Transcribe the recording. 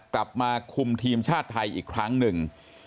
กลับมาคุมทีมชาติไทยอีกครั้งหนึ่ง